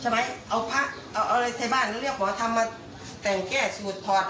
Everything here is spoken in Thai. แล้วก็พยายามแล้วและก็พวกเขาของเสียหาย